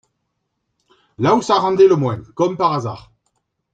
là où ça rendait le moins, comme par hasard.